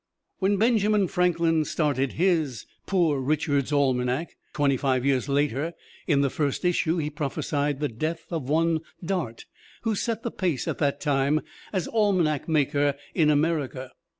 When Benjamin Franklin started his "Poor Richard's Almanac," twenty five years later, in the first issue he prophesied the death of one Dart who set the pace at that time as almanac maker in America.